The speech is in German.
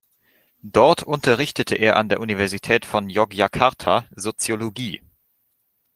Dort unterrichtete er an der Universität von Yogyakarta Soziologie.